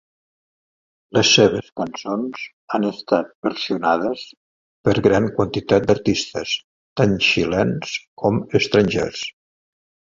Les seves cançons han estat versionades per gran quantitat d'artistes, tant xilens com estrangers.